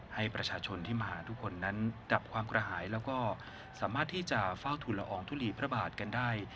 ให้ประชาชนที่มาหาทุกคนนั้นดับความกระหายแล้วก็สามารถที่จะเฝ้าทุนละอองทุลีพระบาทกันได้